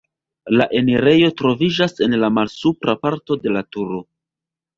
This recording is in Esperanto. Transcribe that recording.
La enirejo troviĝas en la malsupra parto de la turo.